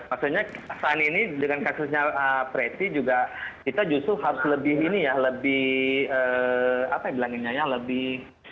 maksudnya sani ini dengan kasusnya preti juga kita justru harus lebih ini ya lebih apa ya bilangnya ya lebih